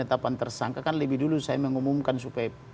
termasuk penetapan tersangka kan lebih dulu saya mengumumkan supaya